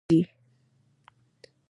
ژبه په عصبیت مړه کېږي.